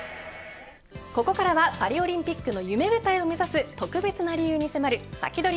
ここからはパリオリンピックの夢舞台を目指す特別な理由に迫るサキドリ！